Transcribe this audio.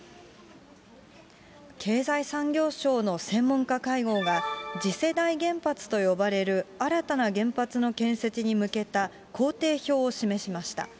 経済産業省の専門家会合が、次世代原発と呼ばれる新たな原発の建設に向けた行程表を示しました。